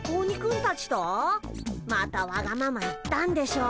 またわがまま言ったんでしょ。